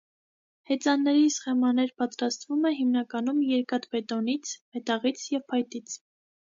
Հեծանների սխեմաներ պատրաստվում Է հիմնականում երկաթբետոնից, մետաղից և փայտից։